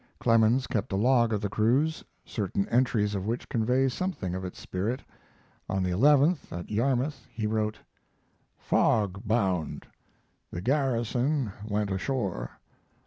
Clemens kept a log of the cruise, certain entries of which convey something of its spirit. On the 11th, at Yarmouth, he wrote: Fog bound. The garrison went ashore.